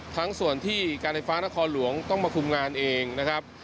ทั้งส่วนที่การไฟฟ้านครหลวงต้องมาคุมงานเองนะครับ